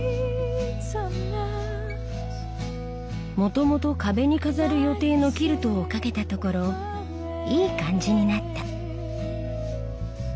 もともと壁に飾る予定のキルトを掛けたところいい感じになった。